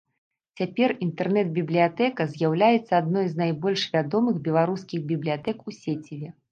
Цяпер інтэрнэт-бібліятэка з'яўляецца адной з найбольш вядомых беларускіх бібліятэк у сеціве.